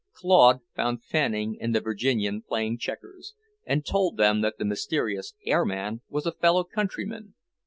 Claude found Fanning and the Virginian playing checkers, and told them that the mysterious air man was a fellow countryman.